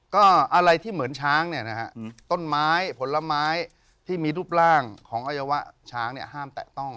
ก็อะไรที่เหมือนช้างเนี่ยนะฮะต้นไม้ผลไม้ที่มีรูปร่างของอวัยวะช้างเนี่ยห้ามแตะต้อง